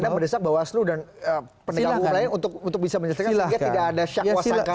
dan anda mendesak bawaslu dan pendekat umum lain untuk bisa menyelesaikan sehingga tidak ada syak wasankan